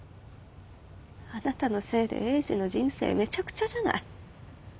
あなたのせいでエイジの人生めちゃくちゃじゃない。